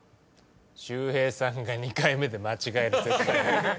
秀平さんが２回目で間違える絶対。